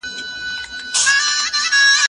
زه هره ورځ اوبه پاکوم